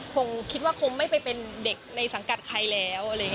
คงคิดว่าคงไม่ไปเป็นเด็กในสังกัดใครแล้ว